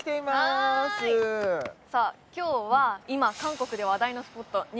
はいさあ今日は今韓国で話題のスポット２